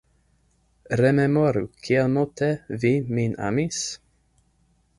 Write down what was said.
Rememoru, kiel multe vi min amis?